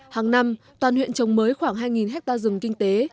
hàng năm toàn huyện trồng mới khoảng hai hectare rừng kinh tế